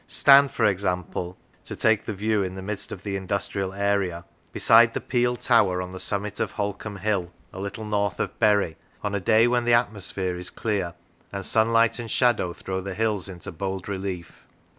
Stand, for example 25 D Lancashire (to take a view in the midst of the industrial area), beside the Peel tower on the summit of Holcombe Hill, a little north of Bury, on a day when the atmosphere is clear, and sunlight and shadow throw the hills into bold relief.